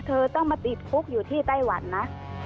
เธอต้องมาติดคุกอยู่ที่ไต้หวันนะ